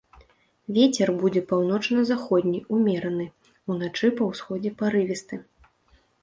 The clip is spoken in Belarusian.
Вецер будзе паўночна-заходні ўмераны, уначы па ўсходзе парывісты.